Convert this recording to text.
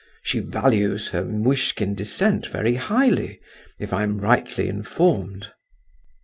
She values her Muishkin descent very highly, if I am rightly informed."